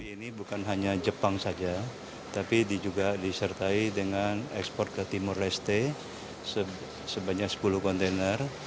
ini bukan hanya jepang saja tapi juga disertai dengan ekspor ke timur leste sebanyak sepuluh kontainer